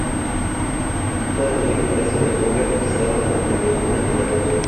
Se trata del único caso de fuga registrado durante la última dictadura.